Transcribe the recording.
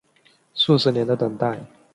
数十年的等待